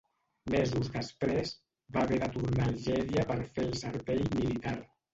Mesos després, va haver de tornar a Algèria per fer el servei militar.